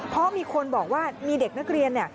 เพราะมีคนบอกว่ามีเด็กนักเรียน